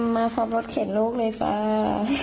มาพร้อมรถเข็นลูกเลยจ้า